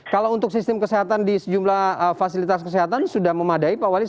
kalau untuk sistem kesehatan di sejumlah fasilitas kesehatan sudah memadai pak wali